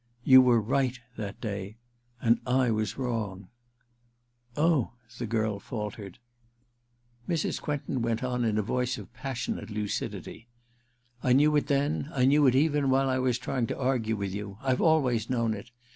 You were right— that day — and I was wrong/ * Oh/ the girl faltered. Mrs. Quentin went on in a voice of pas sionate lucidity. *I knew it then — I knew it reren while I was trying to argue with you — I've always known it